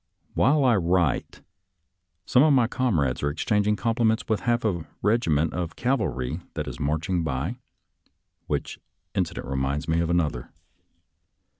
While I write, some of my comrades are ex changing compliments with half a regiment of cavalry that is marching by, which incident re minds me of another.